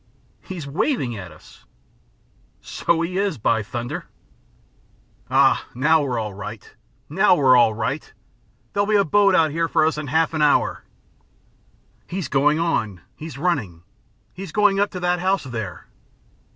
"He's waving at us!" "So he is! By thunder!" "Ah, now we're all right! Now we're all right! There'll be a boat out here for us in half an hour." "He's going on. He's running. He's going up to that house there."